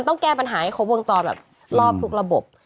ต้องแก้ปัญหาให้ครบวงจรแบบรอบทุกระบบ